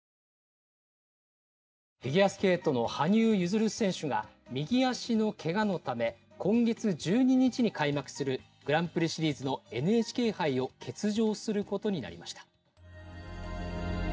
「フィギュアスケートの羽生結弦選手が右足のけがのため今月１２日に開幕するグランプリシリーズのＮＨＫ杯を欠場することになりました」。